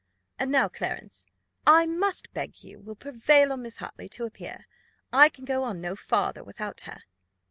And now, Clarence, I must beg you will prevail on Miss Hartley to appear; I can go on no farther without her."